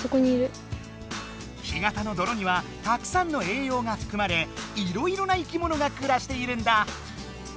干潟のどろにはたくさんの栄養がふくまれいろいろな生きものがくらしているんだ！